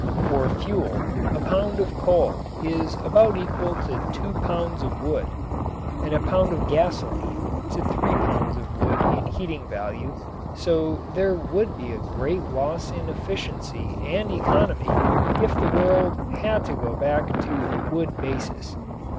For fuel a pound of coal is about equal to two pounds of wood, and a pound of gasoline to three pounds of wood in heating value, so there would be a great loss in efficiency and economy if the world had to go back to a wood basis.